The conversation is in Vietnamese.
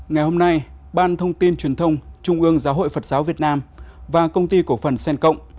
ngày hôm nay ban thông tin truyền thông trung ương giáo hội phật giáo việt nam và công ty cổ phần sen cộng